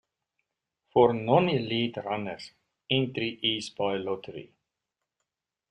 For non-elite runners, entry is by lottery.